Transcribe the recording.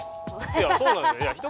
いやそうなのよ。